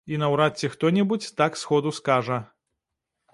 І наўрад ці хто-небудзь так сходу скажа.